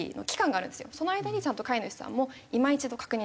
その間にちゃんと飼い主さんもいま一度確認できる。